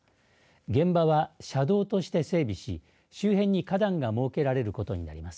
現場は車道として整備し周辺に花壇が設けられることになります。